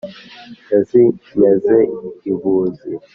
yazinyaze i buzi